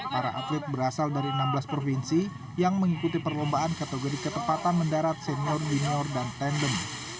para atlet berasal dari enam belas provinsi yang mengikuti perlombaan kategori ketepatan mendarat senior junior dan tandem